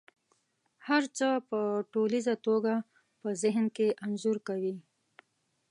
هر څه په ټوليزه توګه په ذهن کې انځور کوي.